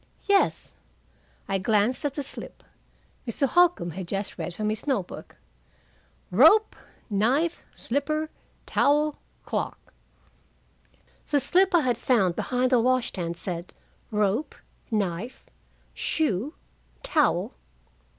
"Yes." I glanced at the slip. Mr. Holcombe had just read from his note book: "Rope, knife, slipper, towel, clock." The slip I had found behind the wash stand said "Rope, knife, shoe, towel.